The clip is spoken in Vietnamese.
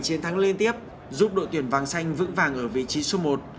chiến thắng liên tiếp giúp đội tuyển vàng xanh vững vàng ở vị trí số một